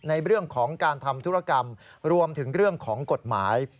ในเรื่องของการทำธุรกรรมรวมถึงเรื่องของกฎหมาย